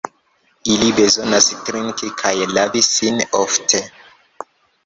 Ili bezonas trinki kaj lavi sin ofte.